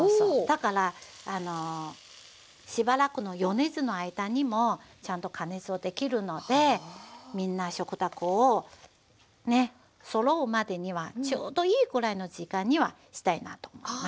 だからしばらくの余熱の間にもちゃんと加熱をできるのでみんな食卓をねそろうまでにはちょうどいいくらいの時間にはしたいなと思います。